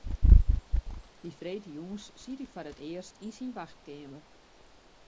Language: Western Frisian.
Dy freedtejûns siet ik foar it earst yn syn wachtkeamer.